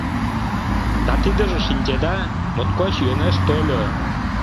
Да тидыже, шинчеда, моткоч йӧнеш тольо.